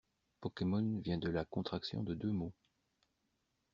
Pokemon vient de la contraction de deux mots.